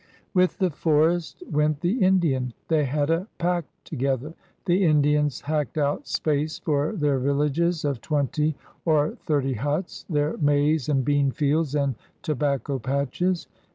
With the forest went the Indian. They had a pact together. The Indians hacked out space for their villages of twenty or thirty ^uts, their maize and bean fields and tobacco patches.